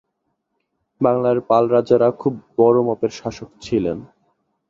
বাংলার পাল রাজারা খুব বড়মাপের শাসক ছিলেন।